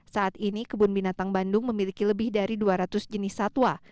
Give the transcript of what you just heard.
saat ini kebun binatang bandung memiliki lebih dari dua ratus jenis satwa